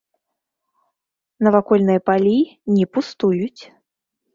Навакольныя палі не пустуюць.